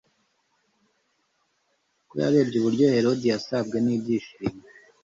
ko yarebye uburyo Herodiya yasabwe n'ibyishimo,